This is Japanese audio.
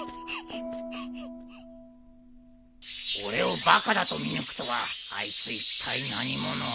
俺をバカだと見抜くとはあいついったい何者。